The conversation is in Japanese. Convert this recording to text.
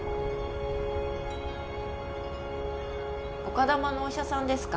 丘珠のお医者さんですか？